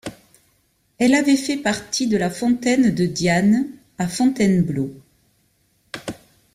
Elle avait fait partie de la fontaine de Diane à Fontainebleau.